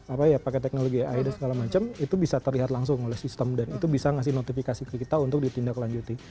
apa ya pakai teknologi ai dan segala macam itu bisa terlihat langsung oleh sistem dan itu bisa ngasih notifikasi ke kita untuk ditindaklanjuti